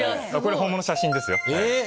本物の写真ですよ。